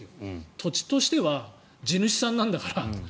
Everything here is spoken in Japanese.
土地としては地主さんなんだから。